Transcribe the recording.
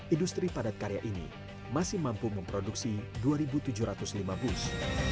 industri padat karya ini masih mampu memproduksi dua tujuh ratus lima bus